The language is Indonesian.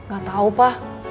gak tau pa